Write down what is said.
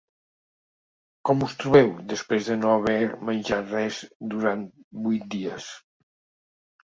Com us trobeu després de no haver menjat res durant vuit dies?